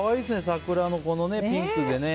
桜のピンクでね。